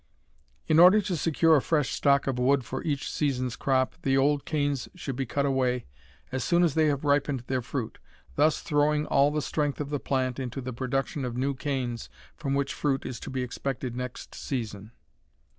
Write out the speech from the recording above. In order to secure a fresh stock of wood for each season's crop the old canes should be cut away as soon as they have ripened their fruit, thus throwing all the strength of the plant into the production of new canes from which fruit is to be expected next season.